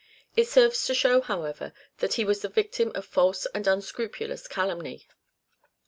It serves to show, however, that he was the victim of false and unscrupulous calumny.